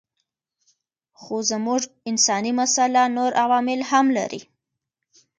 خو زموږ انساني مساله نور عوامل هم لري.